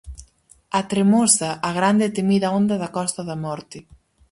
A "Tremosa", a grande e temida onda da Costa da Morte.